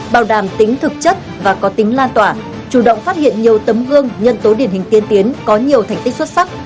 bảo đảm tính thực chất và có tính lan tỏa chủ động phát hiện nhiều tấm gương nhân tố điển hình tiên tiến có nhiều thành tích xuất sắc